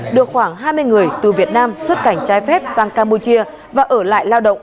đưa khoảng hai mươi người từ việt nam xuất cảnh trái phép sang campuchia và ở lại lao động